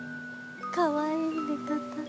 かわいい寝方。